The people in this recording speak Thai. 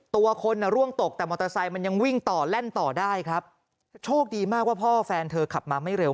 ตัวคนอ่ะร่วงตกแต่มอเตอร์ไซค์มันยังวิ่งต่อแล่นต่อได้ครับโชคดีมากว่าพ่อแฟนเธอขับมาไม่เร็ว